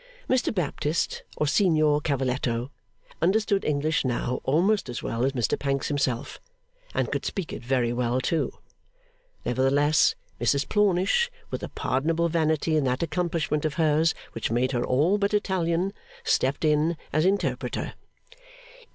Mr Baptist, or Signor Cavalletto, understood English now almost as well as Mr Pancks himself, and could speak it very well too. Nevertheless, Mrs Plornish, with a pardonable vanity in that accomplishment of hers which made her all but Italian, stepped in as interpreter.